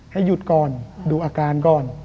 ให้หยุดก่อนดูอาการก่อน